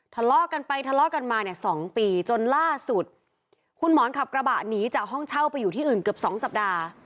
ทะเลาะกันไปทะเลาะกันมาเนี่ย๒ปีจนล่าสุดคุณหมอนขับกระบะหนีจากห้องเช่าไปอยู่ที่อื่นเกือบสองสัปดาห์